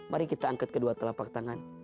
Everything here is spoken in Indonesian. mari kita angkat kedua telapak tangan